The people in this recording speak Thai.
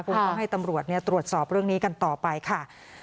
ก็ให้ตำรวจเนี้ยตรวจสอบเรื่องนี้กันต่อไปค่ะ